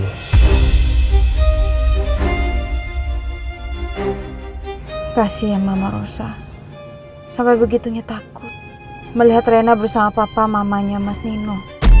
hanya takut melihat rena bersama papa mamanya mas nino